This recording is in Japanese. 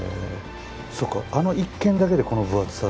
そうかあの一件だけでこの分厚さ。